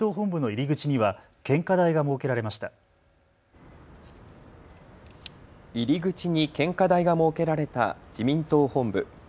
入り口に献花台が設けられた自民党本部。